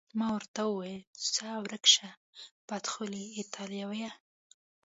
ما ورته وویل: ځه ورک شه، بدخولې ایټالویه.